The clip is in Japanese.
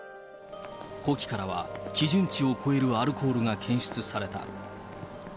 呼気からは、基準値を超えるアルコールが検出された。